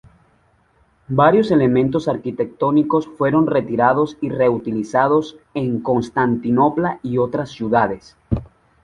Varios elementos arquitectónicos fueron retirados y reutilizados en Constantinopla y otras ciudades.